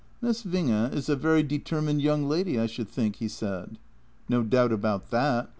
" Miss Winge is a very determined young lady, I should think," he said. "No doubt about that!